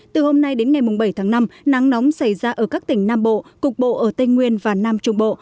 từ hôm nay đến ngày bảy tháng năm nắng nóng xảy ra ở các tỉnh nam bộ cục bộ ở tây nguyên và nam trung bộ